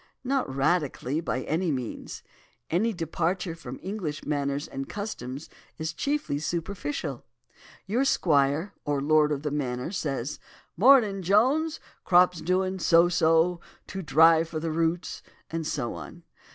"Not radically, by any means. Any departure from English manners and customs is chiefly superficial. Your squire, or lord of the manor, says 'Mornin', Jones! crops doin' so so, too dry for the roots,' and so on.